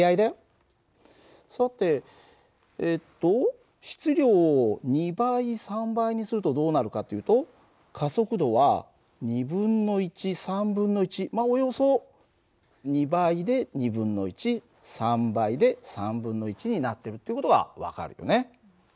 さてえっと質量を２倍３倍にするとどうなるかっていうと加速度は２分の１３分の１およそ２倍で２分の１３倍で３分の１になってるっていう事が分かるよね。